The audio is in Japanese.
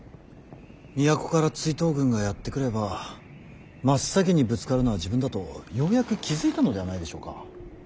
都から追討軍がやって来ればまっさきにぶつかるのは自分だとようやく気付いたのではないでしょうか。